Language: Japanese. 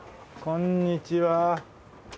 こんにちは。